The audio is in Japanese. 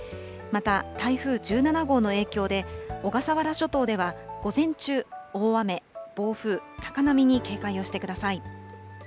また台風１７号の影響で、小笠原諸島では、午前中、大雨、暴風、高波に警戒をしてください。